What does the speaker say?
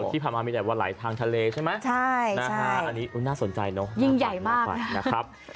ที่ผ่านมามีแต่วันไหลทางทะเลใช่ไหมอันนี้น่าสนใจเนอะยิ่งใหญ่มากไปนะครับ